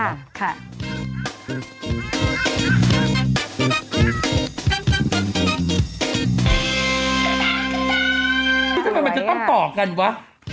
โอ้โฮคุณโมเดลว่าอย่าต่อกันเลยทัน